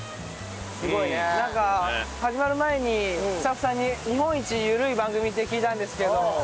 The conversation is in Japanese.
なんか始まる前にスタッフさんに日本一ゆるい番組って聞いたんですけど。